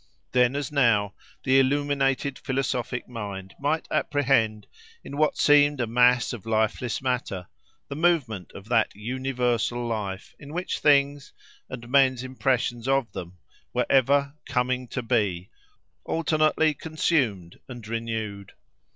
Then as now, the illuminated philosophic mind might apprehend, in what seemed a mass of lifeless matter, the movement of that universal life, in which things, and men's impressions of them, were ever "coming to be," alternately consumed and renewed.